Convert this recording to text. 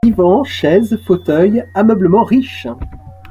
Divan, chaises, fauteuils, ameublement riche.